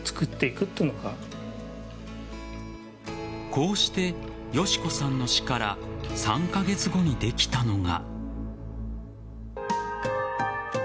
こうして敏子さんの死から３カ月後にできたのが。